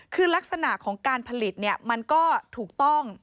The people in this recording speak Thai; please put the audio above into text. คือลักษณะของการผลิตมันก็ถูกต้อง